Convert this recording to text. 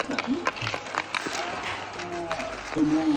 Ocasionalmente se le ve bordeando los bosques esclerófilos.